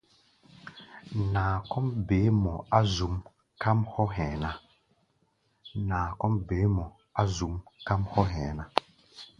Naa kɔ́ʼm beé mɔ á zuʼm, káʼm hɔ́ hɛ̧ɛ̧ ná.